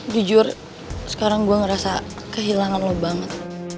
jujur sekarang gue ngerasa kehilangan lo banget